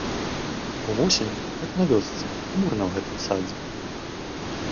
Увосень, як на вёсцы, хмурна ў гэтым садзе.